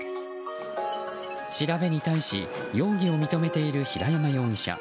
調べに対し容疑を認めている平山容疑者。